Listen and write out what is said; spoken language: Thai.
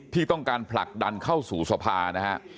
ที่ต้องการผลักดันเข้าสู่สภานะฮะ